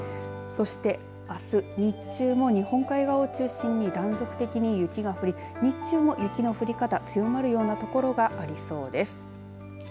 そして、あす日中も日本海側を中心に断続的に雪が降り日中も雪の降り方強まるような所がありそうです。